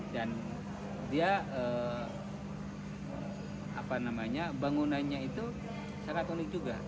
dan dia apa namanya bangunannya itu sangat unik juga